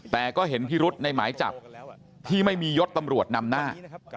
แต่ก็เห็นพิรุษในหมายจับที่ไม่มียศตำรวจนำหน้า